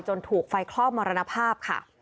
ถูกไฟคลอกมรณภาพค่ะ